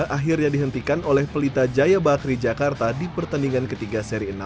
akhirnya dihentikan oleh pelita jaya bakri jakarta di pertandingan ketiga seri enam